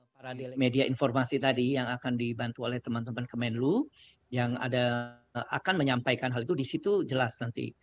para media informasi tadi yang akan dibantu oleh teman teman kemenlu yang akan menyampaikan hal itu disitu jelas nanti